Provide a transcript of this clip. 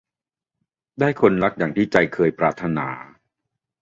ได้คนรักอย่างที่ใจเคยปรารถนา